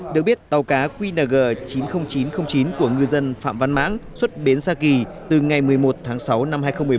được biết tàu cá qng chín mươi nghìn chín trăm linh chín của ngư dân phạm văn mãng xuất bến gia kỳ từ ngày một mươi một tháng sáu năm hai nghìn một mươi bảy